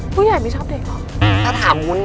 ผู้ใหญ่ไม่ชอบเด็กหรอ